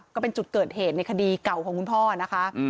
ก็เป็นจุดเกิดเหตุในคดีเก่าของคุณพ่อนะคะ